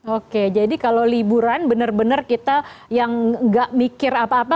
oke jadi kalau liburan benar benar kita yang nggak mikir apa apa